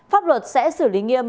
pháp luật sẽ xử lý nghiêm